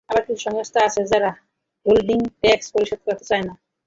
আবার কিছু সরকারি সংস্থাও আছে, যারা হোল্ডিং ট্যাক্স পরিশোধ করতে চায় না।